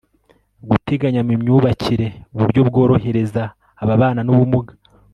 guteganya mu myubakire uburyo bworohereza ababana n'ubumuga